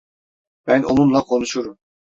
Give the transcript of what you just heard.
Ben onunla konuşurum.